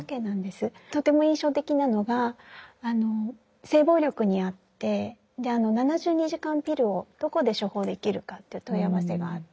とても印象的なのが性暴力にあって７２時間ピルをどこで処方できるかという問い合わせがあって。